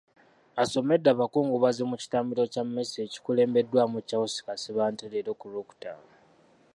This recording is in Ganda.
Asomedde abakungubazi mu kitambiro kya mmisa ekikulembeddwamu Charles Kasibante leero ku Lwokutaano.